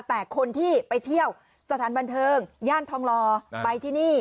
แต่คนที่ไปเที่ยวสถานบันเทิงย่านทองลอไปที่นี่